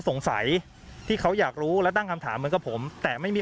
สงสัยที่เขาอยากรู้และตั้งคำถามเหมือนกับผมแต่ไม่มี